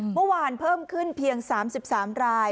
เมื่อวานเพิ่มขึ้นเพียง๓๓ราย